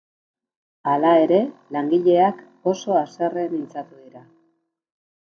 Hala ere, langileak oso haserre mintzatu dira.